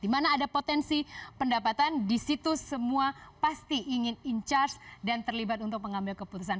dimana ada potensi pendapatan disitu semua pasti ingin in charge dan terlibat untuk mengambil keputusan